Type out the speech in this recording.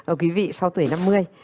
ở quý vị sau tuổi năm mươi